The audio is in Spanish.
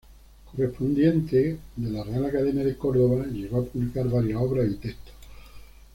Correspondiente de la Real Academia de Córdoba, llegó a publicar varias obras y textos.